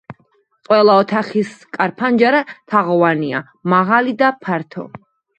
ყველა ოთახის კარ-ფანჯარა თაღოვანია, მაღალი და ფართო.